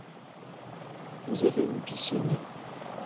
Vous avez une piscine ?